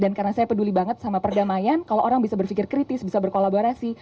dan karena saya peduli banget sama perdamaian kalau orang bisa berpikir kritis bisa berkolaborasi